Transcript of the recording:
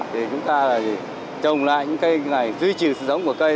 thì chúng ta trồng lại những cây này duy trì sự sống của cây